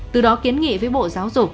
từ đó kiến nghị với bộ giáo dục